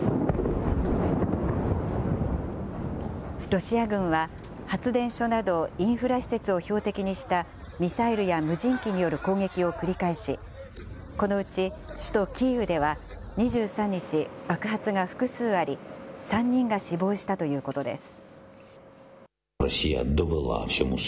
ロシア軍は、発電所などインフラ施設を標的にした、ミサイルや無人機による攻撃を繰り返し、このうち首都キーウでは、２３日、爆発が複数あり、３人が死亡したということです。